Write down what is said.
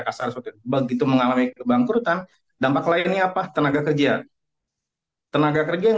kasar begitu mengalami kebangkrutan dampak lainnya apa tenaga kerja tenaga kerja yang